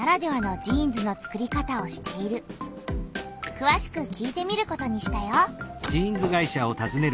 くわしく聞いてみることにしたよ。